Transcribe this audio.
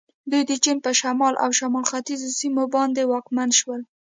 دوی د چین په شمال او شمال ختیځو سیمو باندې واکمن شول.